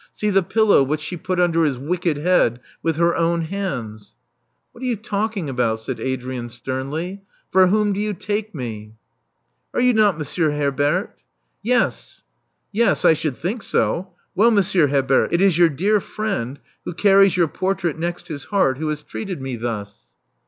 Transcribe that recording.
See the pillow which she put under his wicked " head with her own hands " What are you talking about?" said Adrian sternly. For whom do you take me?" Are you not Monsieur Herbert?" ••Yes." •*Yes, I should think so. Well, Monsieur Herbert, it is your dear friend, who carries your portrait next his heart, who has treated me thus."